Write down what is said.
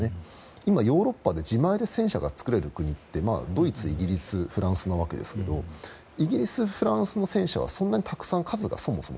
今、ヨーロッパで自前で戦車が作れる国ってドイツ、イギリスフランスなわけですけどもイギリス、フランスの戦車は数がそんなにないんです。